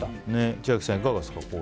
千秋さん、いかがですか？